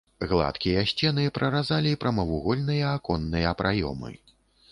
Гладкія сцены праразалі прамавугольныя аконныя праёмы.